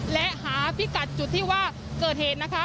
และหาพิกัดจุดที่ว่าเกิดเหตุนะคะ